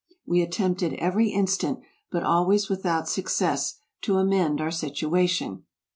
We attempted every instant, but always without suc cess, to amend our situation.